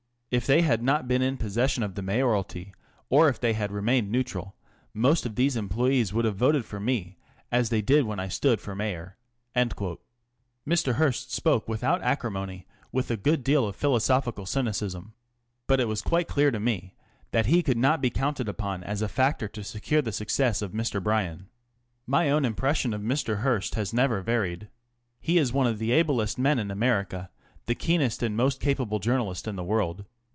If they had not been in possession of the mayoralty, or if they had remained neutral, most of these employes would have voted for me, as they did when I stood for Mayor." Mr. Hearst spoke without acrimony, with a good deal of philosophical cynicism. But it was quite clear to me that he could not be counted upon as a factor to secure the success of Mr. Bryan. My own impression of Mr. Hearst has never varied. He is one of the ablest men in America, the keenest and most capable journalist in the world.